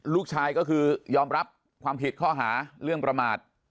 ลูกชายก็คือยอมรับความผิดข้อหาเรื่องประมาท